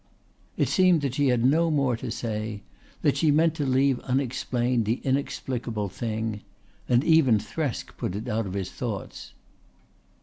It seemed that she had no more to say, that she meant to leave unexplained the inexplicable thing; and even Thresk put it out of his thoughts.